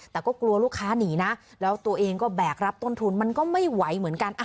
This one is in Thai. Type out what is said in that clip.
แต่ก็กลัวลูกค้าหนีนะแล้วตัวเองก็แบกรับต้นทุนมันก็ไม่ไหวเหมือนกัน